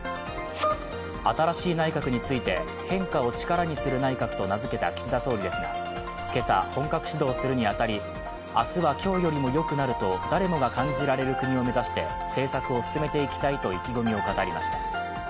新しい内閣について変化を力にする内閣と名付けた岸田総理ですが今朝、本格始動するに当たり明日は今日よりもよくなると誰もが感じられる国を目指して政策を進めていきたいと意気込みを語りました。